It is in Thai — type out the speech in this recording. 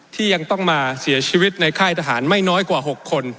ที่ยังต้องมาเสียชีวิตในค่ายทหารไม่น้อยกว่า๖คน